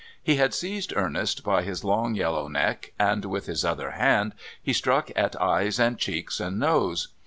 He had seized Ernest by his long yellow neck, and, with his other hand, he struck at eyes and cheeks and nose.